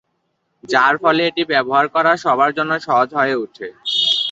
যার ফলে এটি ব্যবহার করা সবার জন্য সহজ হয়ে উঠে।